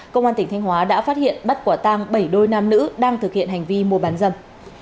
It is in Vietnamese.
công an tỉnh thanh hóa đã phát hiện bắt quả tang bảy đôi nam nữ đang thực hiện hành vi mua bán dâm